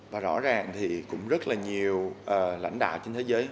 và rõ ràng thì cũng rất là nhiều lãnh đạo trên thế giới